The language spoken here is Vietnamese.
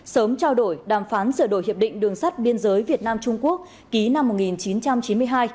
sớm trao đổi đàm phán sửa đổi hiệp định đường sắt biên giới việt nam trung quốc ký năm một nghìn chín trăm chín mươi hai